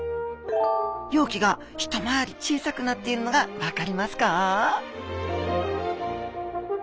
容器が一回り小さくなっているのが分かりますか？